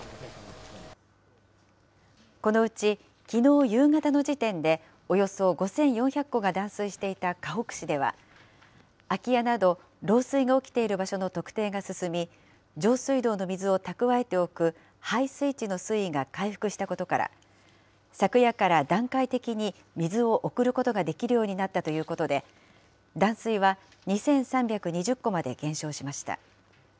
このうち、きのう夕方の時点で、およそ５４００戸が断水していたかほく市では、空き家など漏水が起きている場所の特定が進み、上水道の水を蓄えておく、配水池の水位が回復したことから、昨夜から段階的に水を送ることができるようになったということで、断水は２３２０戸まで減少しました。